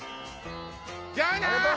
じゃあな！